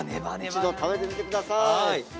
一度、食べてみてください。